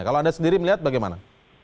kalau anda sendiri melihat bagaimana